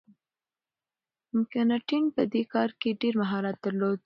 مکناټن په دې کار کي ډیر مهارت درلود.